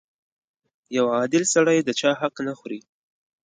• یو عادل سړی د چا حق نه خوري.